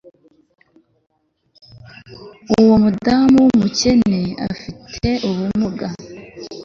uwo mudamu wumukene afite ubumuga